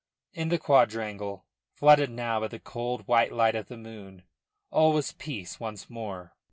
In the quadrangle, flooded now by the cold, white light of the moon, all was peace once more.